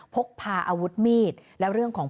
พกพาอาวุธมีดและเรื่องของ